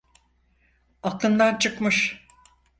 Aklımdan çıkmış.